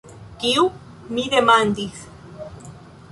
Kiu?“ mi demandis.